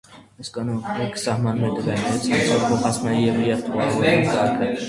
Այս կանոնակարգը սահմանում է տվյալների՝ ցանցով փոխանցման և երթուղավորման կարգը։